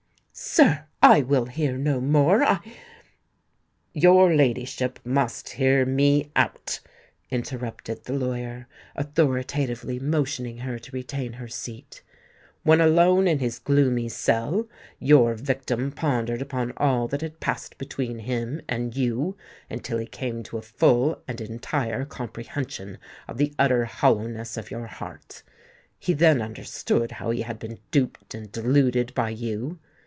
"Sir—I will hear no more—I——" "Your ladyship must hear me out," interrupted the lawyer, authoritatively motioning her to retain her seat. "When alone in his gloomy cell, your victim pondered upon all that had passed between him and you, until he came to a full and entire comprehension of the utter hollowness of your heart. He then understood how he had been duped and deluded by you!